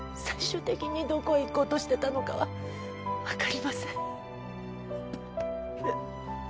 最終的にどこへ行こうとしてたのかは分かりません